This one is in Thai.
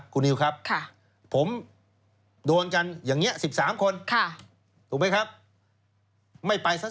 คุณนิวครับผมโดนกันอย่างนี้๑๓คนถูกไหมครับไม่ไปสัก